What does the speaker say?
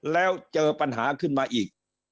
แล้วเจอปัญหาขึ้นมาอีก